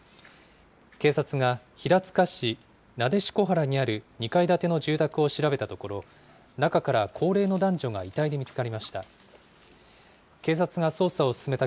警察が平塚市撫子原にある２階建ての住宅を調べたところ、中から高齢の男女が遺体で見つかりました。